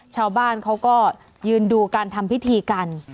ชาวบ้านเขาก็ยืนดูการทำพิธีกัน